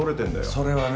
それはね